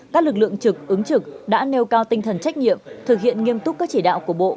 các lực lượng trực ứng trực đã nêu cao tinh thần trách nhiệm thực hiện nghiêm túc các chỉ đạo của bộ